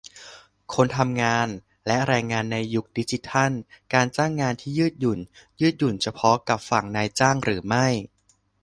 คนทำงานและแรงงานในยุคดิจิทัล - การจ้างงานที่ยืดหยุ่น ยืดหยุ่นเฉพาะกับฝั่งนายจ้างหรือไม่ ?